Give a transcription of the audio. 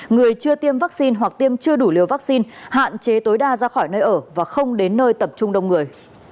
người chưa tiêm vaccine hoặc tiêm chưa đủ liều vaccine hạn chế tối đa ra khỏi nơi ở và không đến nơi tập trung đông người